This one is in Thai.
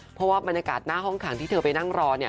เพราะว่าบรรยากาศหน้าห้องขังที่เธอไปนั่งรอเนี่ย